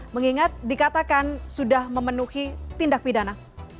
mengingat dikatakan sudah memenuhi tindak pidana